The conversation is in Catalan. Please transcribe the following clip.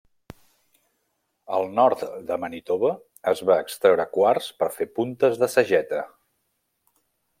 Al nord de Manitoba es va extreure quars per fer puntes de sageta.